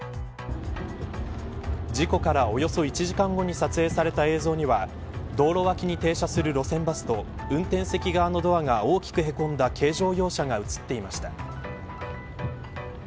事故からおよそ１時間後に撮影された映像には道路脇に停車する路線バスと運転席側のドアが大きくへこんだ軽乗用車が映っていました。